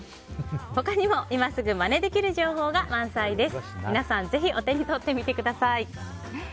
他にも今すぐまねできる情報が満載です。